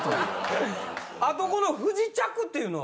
あとこの不時着っていうのは？